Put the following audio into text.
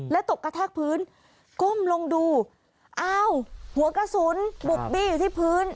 แล้วตกกระแทกพื้นก้มลงดูอ้าวหัวกระสุนบุกบี้อยู่ที่พื้น